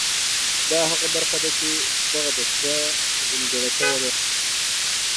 دا هغه برخه ده چې دغه دستګاه ځنې جوړه شوې ده